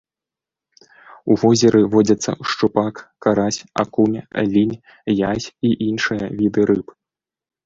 У возеры водзяцца шчупак, карась, акунь, лінь, язь і іншыя віды рыб.